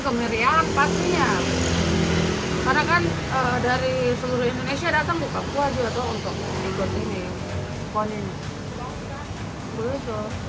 kemeriahan patria karena kan dari seluruh indonesia datang ke papua juga untuk